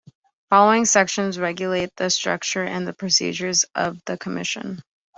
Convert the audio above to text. Following sections regulate the structure and the procedures of the Commission.